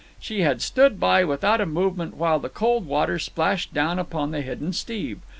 She had stood by without a movement while the cold water splashed down upon the hidden Steve.